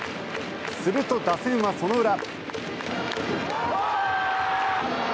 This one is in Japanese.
すると、打線はその裏。